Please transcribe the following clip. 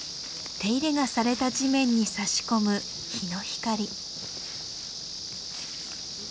手入れがされた地面にさし込む陽の光。